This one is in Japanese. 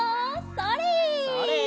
それ！